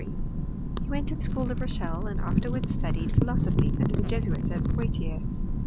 He went to the school of Rochelle, and afterwards studied philosophy under the Jesuits at Poitiers.